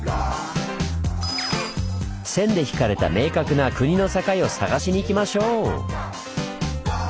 線で引かれた明確な国の境を探しに行きましょう！